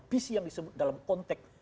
visi yang disebut dalam konteks